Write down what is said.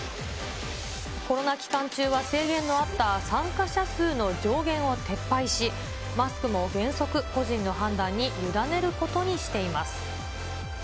コロナ期間中は制限のあった参加者数の上限を撤廃し、マスクも原則、個人の判断に委ねることにしています。